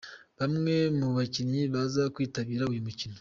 Bamwe mu bakinnyi baza kwitabira uyu mukino.